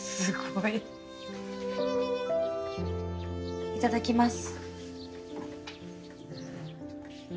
いただきます。